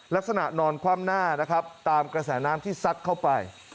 นอนคว่ำหน้านะครับตามกระแสน้ำที่ซัดเข้าไป